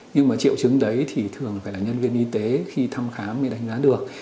nhưng mà triệu chứng đấy thì thường phải là nhân viên y tế khi thăm khám mới đánh giá được